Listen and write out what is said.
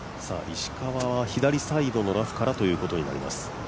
石川は左サイドのラフからということになります。